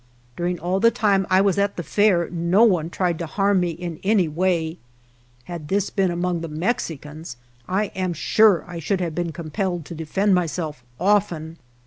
During all the time I was at the Fair no one tried to harm me in any way. Had this been among the Mex 205 + GERONIMO icans I am sure I should have been com pelled to defend myself often.